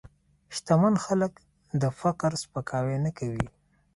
شتمن خلک د فقر سپکاوی نه کوي.